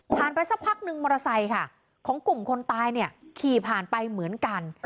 ไปสักพักนึงมอเตอร์ไซค์ค่ะของกลุ่มคนตายเนี่ยขี่ผ่านไปเหมือนกัน